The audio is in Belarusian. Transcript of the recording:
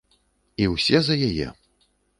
І ўсе за яе.